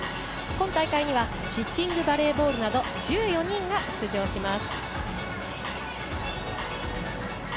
今大会にはシッティングバレーボールなど１４人が出場します。